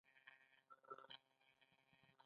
نن ئې واړه مخلوقات شعرونه بولي